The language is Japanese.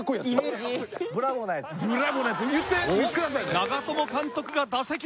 長友監督が打席に？